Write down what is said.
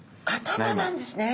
頭なんですね！